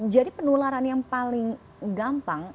jadi penularan yang paling gampang